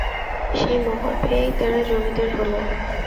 সেই মোহর পেয়েই তারা জমিদার হলো।